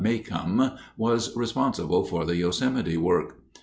Macomb was responsible for the Yosemite work.